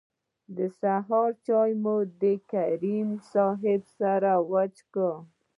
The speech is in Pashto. د سهار چای مو د کریمي صیب سره وڅښه.